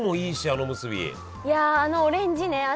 いやあのオレンジね。